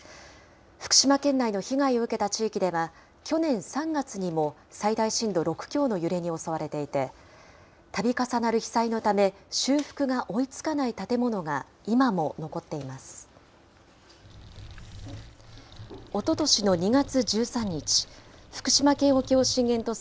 福島県内の被害を受けた地域では、去年３月にも、最大震度６強の揺れに襲われていて、たび重なる被災のため、修復が追いつかない建物が今も残っています。